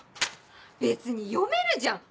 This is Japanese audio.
別に読めるじゃん！